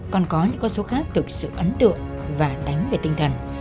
còn có những con số khác thực sự ấn tượng và đánh về tinh thần